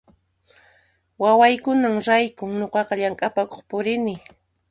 Wawaykunaraykun nuqaqa llamk'apakuq purini